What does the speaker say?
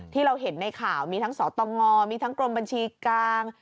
ที่เราเห็นในข่าวมีทั้งสตงมีทั้งกรมบัญชีกลาง